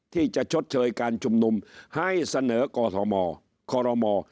ที่จะชดเชยการชุมนุมให้เสนอกรม